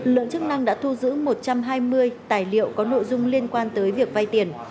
lượng chức năng đã thu giữ một trăm hai mươi tài liệu có nội dung liên quan tới việc vay tiền